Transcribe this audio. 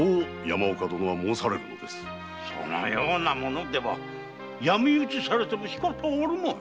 そのような者では闇討ちされてもしかたあるまい。